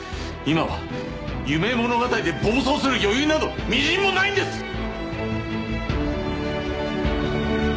今は夢物語で暴走する余裕などみじんもないんです！